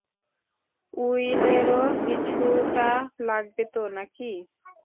উইলেরও কিছুটা লাগবে তো নাকি!